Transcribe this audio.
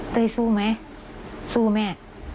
เต้ยสู้ไหมสู้แม่